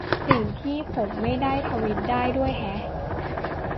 สิ่งที่ผมไม่ได้ทวีตได้ด้วยแฮะ